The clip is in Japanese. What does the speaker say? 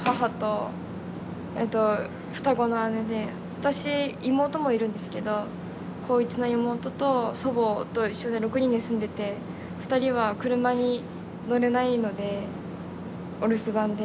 私妹もいるんですけど高１の妹と祖母と一緒に６人で住んでて２人は車に乗れないのでお留守番で。